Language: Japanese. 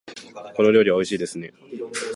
この料理はおいしいですね。